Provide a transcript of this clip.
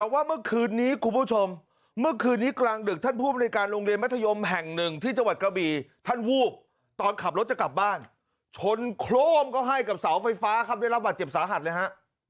ว่าเมื่อคืนนี้คุณผู้ชมเมื่อคืนนี้กลางดึกท่านผู้บริการโรงเรียนมัธยมแห่งหนึ่งที่จังหวัดกระบี่ท่านวูบตอนขับรถจะกลับบ้านชนโครมเข้าให้กับเสาไฟฟ้าครับได้รับบาดเจ็บสาหัสเลยฮะ